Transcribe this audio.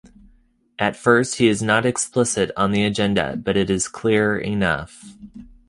At first, he is not explicit on the agenda but it is clear enough.